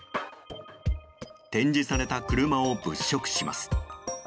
展示された車を物色します。